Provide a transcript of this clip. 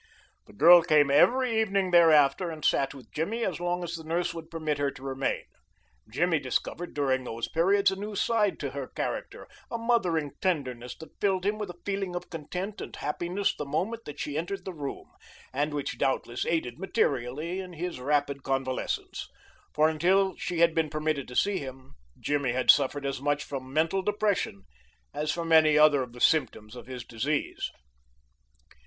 The girl came every evening thereafter and sat with Jimmy as long as the nurse would permit her to remain. Jimmy discovered during those periods a new side to her character, a mothering tenderness that filled him with a feeling of content and happiness the moment that she entered the room, and which doubtless aided materially in his rapid convalescence, for until she had been permitted to see him Jimmy had suffered as much from mental depression as from any other of the symptoms of his disease.